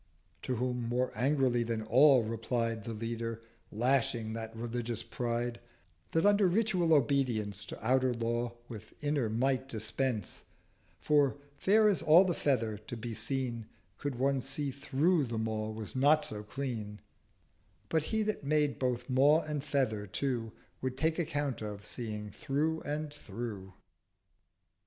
To whom, more angrily than all, replied The Leader, lashing that religious Pride, 470 That under ritual Obedience To outer Law with inner might dispense: For, fair as all the Feather to be seen, Could one see through, the Maw was not so clean: But He that made both Maw and Feather too Would take account of, seeing through and through.